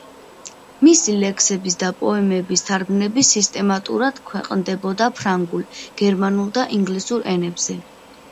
მისი ლექსების და პოემების თარგმანები სისტემატურად ქვეყნდებოდა ფრანგულ, გერმანულ და ინგლისურ ენებზე.